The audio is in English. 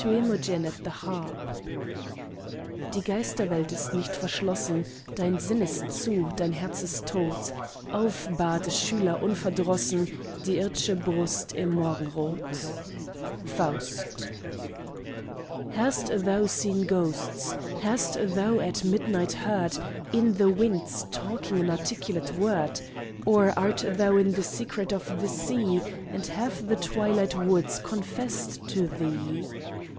TO IMOGEN AT THE HARP _Die Geisterwelt ist nicht verschlossen: Dein Sinn ist zu dein Herz ist todt. Auf, bade, Schüler, unrerdrossen Die ird'sche Brust im Morgenroth!_ FAUST. Hast thou seen ghosts? Hast thou at midnight heard In the wind's talking an articulate word? Or art thou in the secret of the sea, And have the twilight woods confessed to thee?